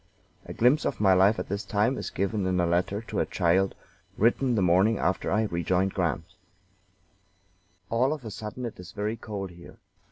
A glimpse of my life at this time is given in a letter to a child, written the morning after I rejoined Grant: "All of a sudden it is very cold here.